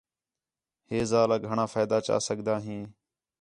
ہِے ذالا گھݨاں فائدہ چا سڳدا ہیں